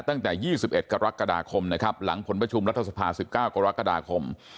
ตั้งแต่๒๑กรกฎาคมนะครับหลังผลประชุมรัฐสภา๑๙กรกฎาคม